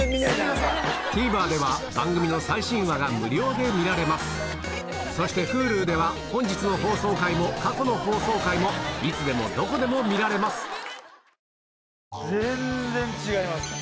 ＴＶｅｒでは番組の最新話が無料で見られますそしてＨｕｌｕでは本日の放送回も過去の放送回もいつでもどこでも見られます